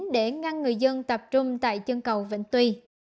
để ngăn người dân tập trung tại chân cầu vĩnh tuy